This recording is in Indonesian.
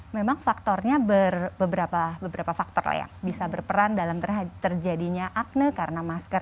memang faktornya beberapa faktor lah ya bisa berperan dalam terjadinya akne karena masker